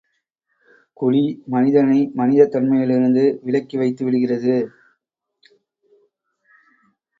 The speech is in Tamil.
குடி மனிதனை மனிதத் தன்மையிலிருந்து விலக்கி வைத்துவிடுகிறது.